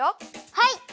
はい！